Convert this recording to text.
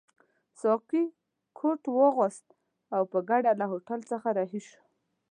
ساقي کوټ واغوست او په ګډه له هوټل څخه رهي شوو.